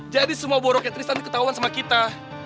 jadi semua boroknya tristan diketahuan sama kita